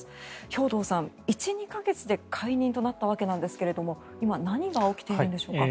兵頭さん、１２か月で解任となったわけですが今、何が起きているんでしょうか。